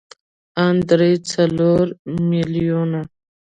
ان درې څلور ميليونه.